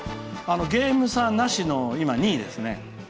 ゲーム差なしの２位です。